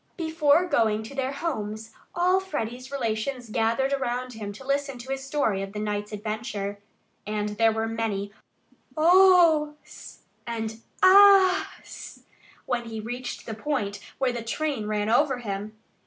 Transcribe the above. Before going to their homes all Freddie's relations gathered around him to listen to his story of the night's adventure. And there were many "Ohs" and "Ahs" when he reached the point where the train ran over him.